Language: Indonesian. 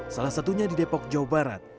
salah satunya di depok jawa barat